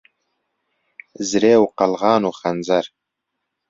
زرێ و قەلغان و خەنجەر